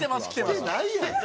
着てないやん。